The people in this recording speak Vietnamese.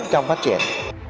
trong phát triển